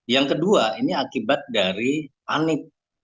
yang kedua ini akibat dari panik